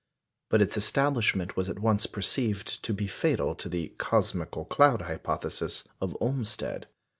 But its establishment was at once perceived to be fatal to the "cosmical cloud" hypothesis of Olmsted.